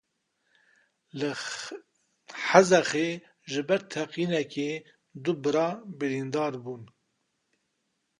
Li Hezexê ji ber teqînekê du bira birîndar bûn.